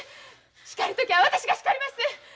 叱る時は私が叱ります！